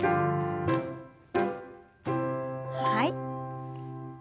はい。